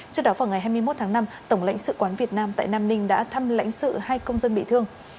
trước đó vào ngày hai mươi một tháng năm tổng lãnh sự quán việt nam tại nam ninh đã thăm lãnh sự hai công dân bị thương